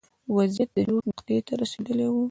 وضعیت د جوش نقطې ته رسېدلی و.